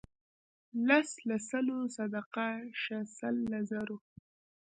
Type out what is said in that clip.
لس له سلو صدقه شه سل له زرو.